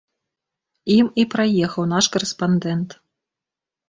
Ім і праехаў наш карэспандэнт.